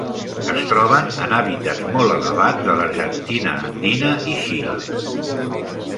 Es troben en hàbitats molt elevats de l'Argentina andina i Xile.